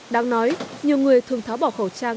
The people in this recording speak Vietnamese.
đáng nói nhiều người thường tháo bỏ khẩu trang